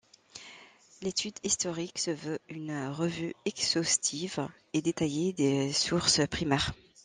L'étude historique se veut une revue exhaustive et détaillée des sources primaires.